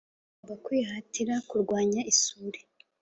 Tugomba kwihatira kurwanya isuri